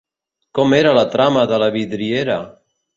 Com era la trama de la vidriera?